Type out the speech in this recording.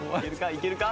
いけるか？